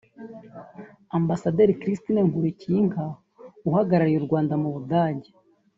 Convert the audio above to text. Ambasaderi Christine Nkulikiyinka uhagarariye u Rwanda mu Budage